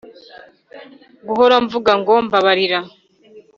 guhora mvuga ngo mbabarira